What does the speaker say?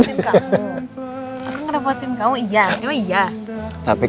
aku ngapain di